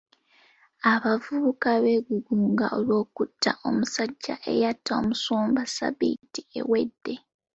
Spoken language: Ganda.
Abavubuka beegugunga olw'okuta omusajja eyatta omusumba ssabbiiti ewedde.